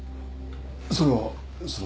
それはその